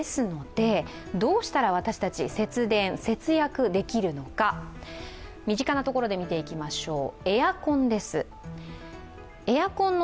どうしたら私たち節電、節約できるのか身近なところで見ていきましょう。